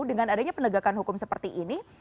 dengan adanya penegakan hukum seperti ini